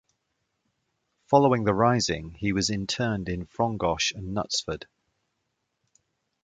Following the Rising he was interned in Frongoch and Knutsford.